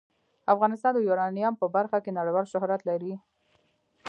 افغانستان د یورانیم په برخه کې نړیوال شهرت لري.